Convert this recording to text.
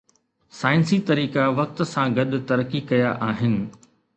سائنسي طريقا وقت سان گڏ ترقي ڪيا آهن